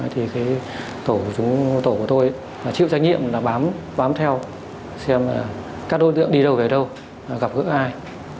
thì tổ của tôi chịu trách nhiệm là bám theo xem các đối tượng đi đâu về đâu gặp gỡ ai